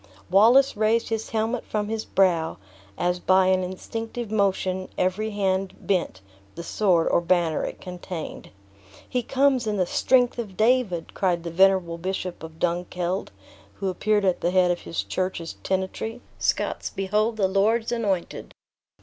Wallace raised his helmet from his brow, as by an instinctive motion every hand bent the sword or banner it contained. "He comes in the strength of David!" cried the venerable bishop of Dunkeld, who appeared at the head of his church's tenantry; "Scots, behold the Lord's anointed!"